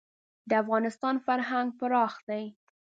د افغانستان فرهنګ پراخ دی.